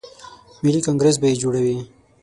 ملي کانګریس به یې جوړوي.